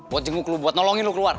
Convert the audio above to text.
buat jenguk lu buat nolongin lu keluar